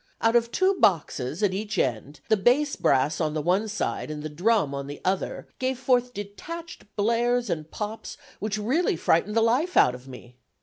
Out of two boxes at each end the bass brass on the one side and the drum on the other gave forth detached blares and pops which really frightened the life out of me.